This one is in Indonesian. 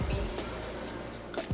terima kasih pi